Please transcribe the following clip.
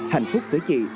hạnh phúc với chị